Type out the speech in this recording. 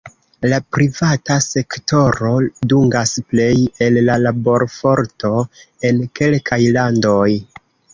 La privata sektoro dungas plej el la laborforto en kelkaj landoj.